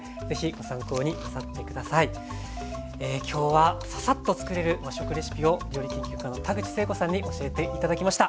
きょうはササッとつくれる和食レシピを料理研究家の田口成子さんに教えて頂きました。